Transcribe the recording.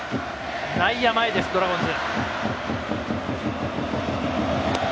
内野前です、ドラゴンズ。